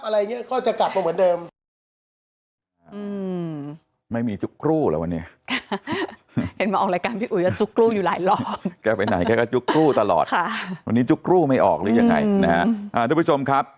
อะไรอย่างนี้ก็จะกลับมาเหมือนเดิม